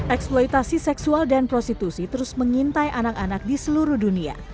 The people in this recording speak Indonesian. eksploitasi seksual dan prostitusi terus mengintai anak anak di seluruh dunia